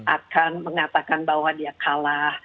akan mengatakan bahwa dia kalah